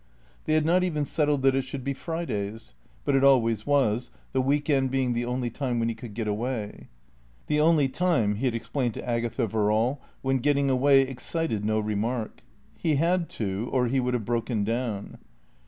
They had not even settled that it should be Fridays, but it always was, the week end being the only time when he could get away; the only time, he had explained to Agatha Verrall, when getting away excited no remark. He had to, or he would have broken down.